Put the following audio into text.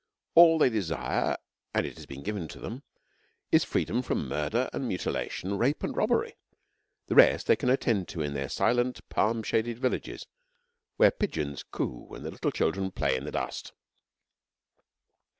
All they desire, and it has been given them, is freedom from murder and mutilation, rape and robbery. The rest they can attend to in their silent palm shaded villages where the pigeons coo and the little children play in the dust.